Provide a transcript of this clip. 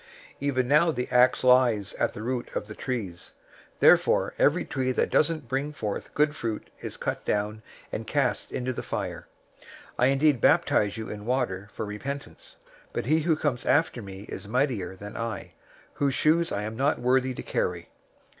003:010 "Even now the axe lies at the root of the trees. Therefore, every tree that doesn't bring forth good fruit is cut down, and cast into the fire. 003:011 I indeed baptize{or, immerse} you in water for repentance, but he who comes after me is mightier than I, whose shoes I am not worthy to carry.